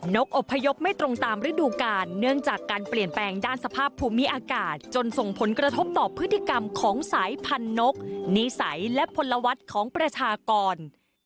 อบพยพไม่ตรงตามฤดูกาลเนื่องจากการเปลี่ยนแปลงด้านสภาพภูมิอากาศจนส่งผลกระทบต่อพฤติกรรมของสายพันนกนิสัยและพลวัฒน์ของประชากร